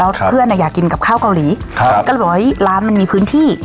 แล้วเพื่อนอ่ะอยากกินกับข้าวเกาหลีครับก็เลยบอกว่าร้านมันมีพื้นที่